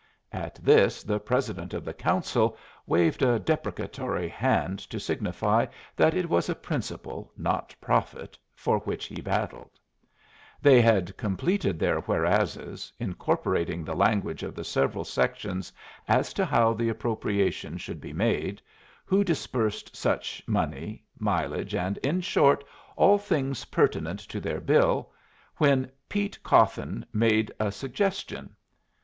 '" At this the President of the Council waved a deprecatory hand to signify that it was a principle, not profit, for which he battled. They had completed their Whereases, incorporating the language of the several sections as to how the appropriation should be made, who disbursed such money, mileage, and, in short, all things pertinent to their bill, when Pete Cawthon made a suggestion.